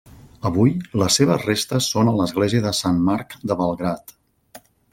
Avui les seves restes són a l'església de Sant Marc de Belgrad.